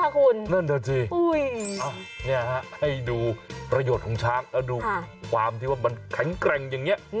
เขาถึงบอกว่าอยู่ใกล้ช้างเนี่ย